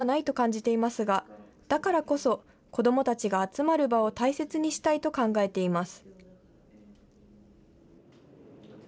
ヤングケアラーの発見や支援は簡単ではないと感じていますがだからこそ子どもたちが集まる場を大切にしたいと考えています。